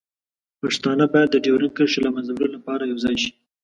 پښتانه باید د ډیورنډ کرښې له منځه وړلو لپاره یوځای شي.